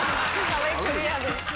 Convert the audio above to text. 壁クリアです。